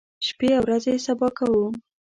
شپې او ورځې سبا کوو.